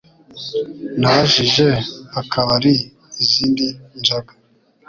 Nabajije akabari izindi nzoga